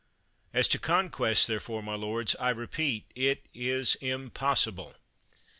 As to conquest, therefore, my lords, I repeat, it is impossible.